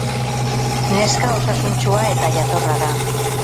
Neska osasuntsua eta jatorra da.